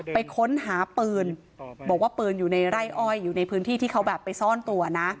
ไปค้นหาปืนบอกว่าปืนอยู่ในไร่อ้อยอยู่ในพื้นที่ที่เขาแบบไปซ่อนตัวนะ